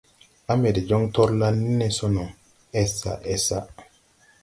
À mbɛ de joŋ torlan ni ne so no, esa esa.